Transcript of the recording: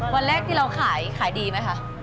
วันแรกที่เราขายขายดีไหมคะ